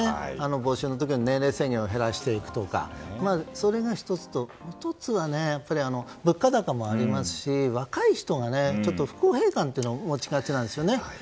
募集の時の年齢制限を減らすとかそれが１つとあとは物価高もありますし若い人が不公平感を持ちがちです。